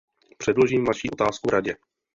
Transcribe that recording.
Předložím Vaší otázku Radě.